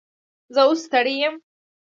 زه اوس ستړی یم